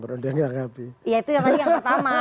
berhenti menanggapi ya itu tadi yang pertama